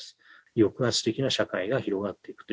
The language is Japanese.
抑圧的な社会が広がっていくとい